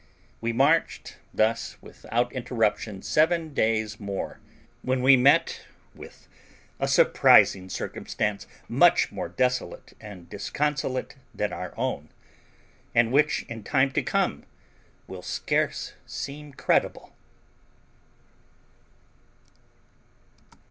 We marched thus without interruption seven days more, when we met with a surprising circumstance much more desolate and disconsolate than our own, and which, in time to come, will scarce seem credible.